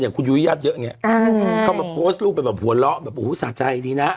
อย่างคุณอยู่ให้ญาติเยอะเขามาโพสต์ลูกววละสะใจดีนะ